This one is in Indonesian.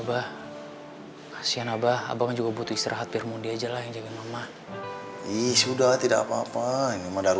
bahasian abah abang juga butuh istirahat biar mundi ajalah yang jangan mama ih sudah tidak apa apa